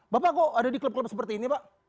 bapak kok ada di klub klub seperti ini pak